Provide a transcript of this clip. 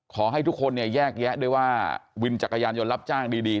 ขอให้ทุกคนเนี่ยแยกแยะด้วยว่าวินจักรยานยนต์รับจ้างดี